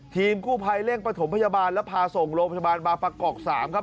ทีมกู้ภัยเร่งประถมพยาบาลแล้วพาส่งโรงพยาบาลบางประกอบ๓ครับ